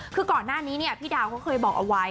คือก่อนหน้านี้เนี่ยพี่ดาวเขาเคยบอกเอาไว้